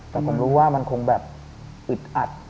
แต่ผมรู้ว่ามันคงแบบอึดอัด